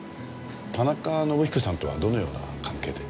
田中伸彦さんとはどのような関係で？